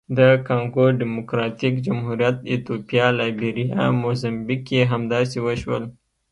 د کانګو ډیموکراتیک جمهوریت، ایتوپیا، لایبیریا، موزمبیق کې هم داسې وشول.